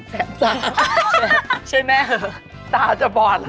เชฟใช่แม่เหอะตาจะบอดแล้ว